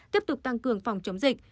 tiếp tục tăng cường phòng chống dịch